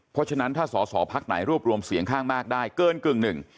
เพราะฉะนั้นถ้าสวพักไหนรวบรวมเสียงข้างมากได้เกิน๑๕